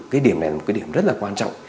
cái điểm này một cái điểm rất là quan trọng